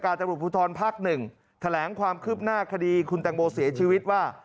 จากการจับบุคทรภักดิ์หนึ่งแถลงความคืบหน้าคดีคุณแต่งโบเสียชีวิตว่า